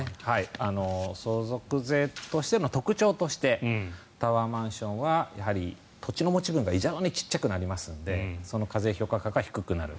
相続税の特徴としてタワーマンションは土地の持ち分が異常にちっちゃくなりますのでその課税評価額が低くなる。